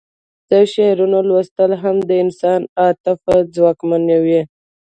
د شعرونو لوستل هم د انسان عاطفه ځواکمنوي